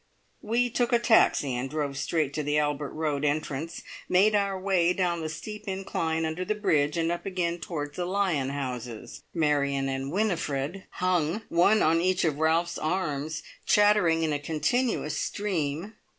We took a taxi and drove straight to the Albert Road entrance, made our way down the steep incline, under the bridge, and up again towards the lion houses. Marion and Winifred hung, one on each of Ralph's arms, chattering in a continuous stream.